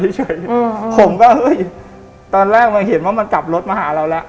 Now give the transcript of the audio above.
เฉยผมก็เฮ้ยตอนแรกมันเห็นว่ามันกลับรถมาหาเราแล้ว